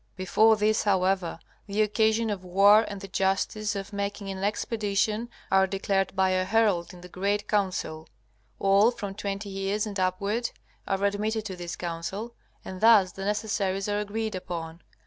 Before this, however, the occasion of war and the justice of making an expedition are declared by a herald in the great Council. All from twenty years and upward are admitted to this Council, and thus the necessaries are agreed upon.